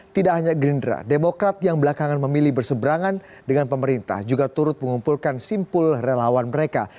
tidak hanya gerindra demokrat yang belakangan memilih berseberangan dengan pemerintah juga turut mengumpulkan simpul relawan mereka